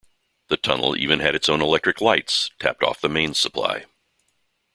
The tunnel even had its own electric lights, tapped off the mains supply.